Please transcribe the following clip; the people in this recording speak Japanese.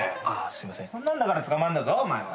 そんなんだから捕まるんだぞお前は。